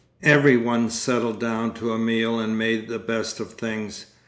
Everyone settled down to the meal and made the best of things.